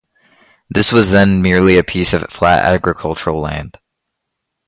This was then merely a piece of flat agricultural land.